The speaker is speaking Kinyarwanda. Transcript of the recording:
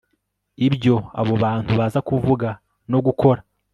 ibyo abo bantu baza kuvuga no gukora